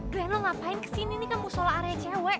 glenn lo ngapain kesini nih kamu soal area cewek